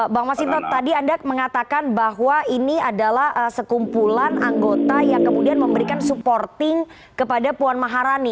bang masinto tadi anda mengatakan bahwa ini adalah sekumpulan anggota yang kemudian memberikan supporting kepada puan maharani